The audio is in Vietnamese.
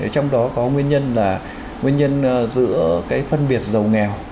trong đó có nguyên nhân là nguyên nhân giữa cái phân biệt giàu nghèo